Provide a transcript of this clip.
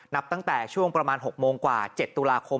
นับตั้งแต่ช่วงประมาณ๖โมงกว่า๗ตุลาคม